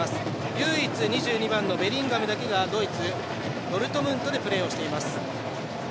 唯一、２２番のベリンガムだけがドイツ・ドルトムントでプレーしています。